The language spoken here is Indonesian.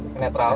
tarik rem tangan